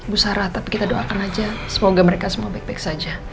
bu sarah tapi kita doakan aja semoga mereka semua baik baik saja